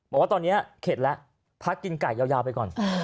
บอกว่าตอนนี้เข็ดแล้วพักกินไก่ยาวไปก่อน